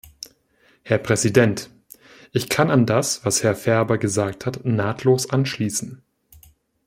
Herr Präsident! Ich kann an das, was Herr Ferber gesagt hat, nahtlos anschließen.